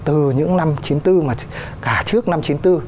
từ những năm chín mươi bốn mà cả trước năm chín mươi bốn